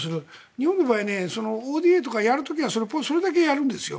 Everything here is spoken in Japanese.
日本の場合ＯＤＡとかやる時はそれだけやるんですよ。